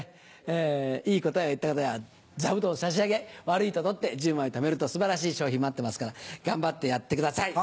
いい答えを言った方には座布団を差し上げ悪いと取って１０枚ためると素晴らしい賞品待ってますから頑張ってやってください。